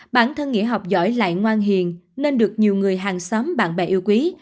bản thân nghĩa học giỏi lại ngoan hiền nên được nhiều người hàng xóm bạn bè yêu quý